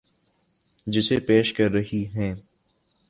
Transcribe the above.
جسے پیش کر رہی ہیں